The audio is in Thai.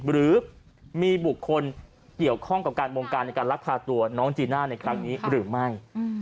หรือมีบุคคลเกี่ยวข้องกับการบงการในการลักพาตัวน้องจีน่าในครั้งนี้หรือไม่